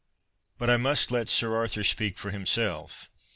But I must let Sir Arthur speak for himself.